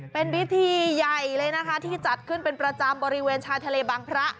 เป็นพิธีใหญ่เลยนะคะที่จัดขึ้นเป็นประจำบริเวณชายทะเลบางพระ